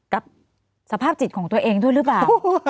กับสภาพจิตของตัวเองด้วยหรือเปล่า